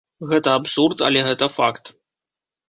Гэта абсурд, але гэта факт.